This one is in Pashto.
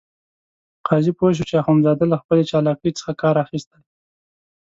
قاضي پوه شو چې اخندزاده له خپلې چالاکۍ څخه کار اخیستی.